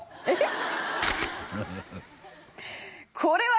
えっ！